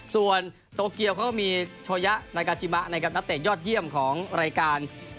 ส่วนโตเกียวเขาก็มีโชยะนากาจิมะนะครับนักเตะยอดเยี่ยมของรายการ